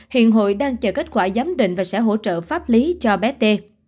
hiện hội đang chờ kết quả giám định và sẽ hỗ trợ pháp lý cho bé t